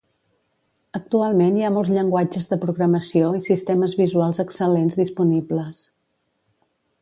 Actualment hi ha molts llenguatges de programació i sistemes visuals excel·lents disponibles.